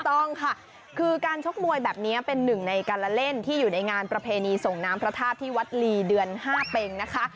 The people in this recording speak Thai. ต้องค่ะคือการชกมวยแบบนี้เป็นหนึ่งในการละเล่นที่อยู่ในงานประเพณีส่งน้ำพระธาตุที่วัดลีเดือน๕เป็งนะคะ